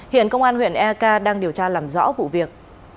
hiện công an huyện ea ca đang điều tra làm rõ vụ việc